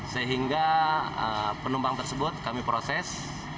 sehingga penumpang tersebut kami proses